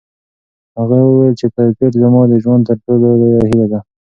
هغه وویل چې کرکټ زما د ژوند تر ټولو لویه هیله ده.